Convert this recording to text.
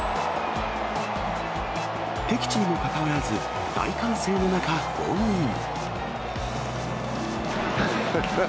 敵地にもかかわらず、大歓声の中、ホームイン。